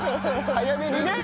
早めにね。